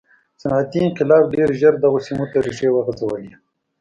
صنعتي انقلاب ډېر ژر دغو سیمو ته ریښې وغځولې.